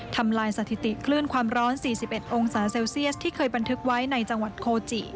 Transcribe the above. ทำลายสถิติคลื่นความร้อน๔๑องศาเซลเซียสที่เคยบันทึกไว้ในจังหวัดโคจิ